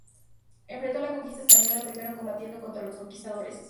Enfrentó la Conquista española, primero combatiendo contra los conquistadores.